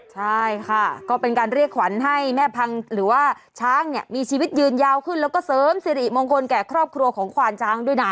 ใช่ค่ะก็เป็นการเรียกขวัญให้แม่พังหรือว่าช้างเนี่ยมีชีวิตยืนยาวขึ้นแล้วก็เสริมสิริมงคลแก่ครอบครัวของควานช้างด้วยนะ